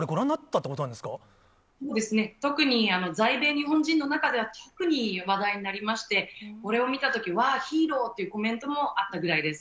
そうですね、特に在米日本人の中では特に話題になりまして、これを見たとき、わー、ヒーローというコメントもあったぐらいです。